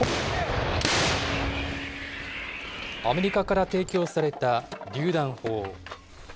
アメリカから提供されたりゅう弾砲。